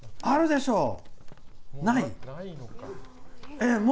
あるでしょ？